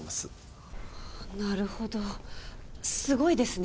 なるほどすごいですね。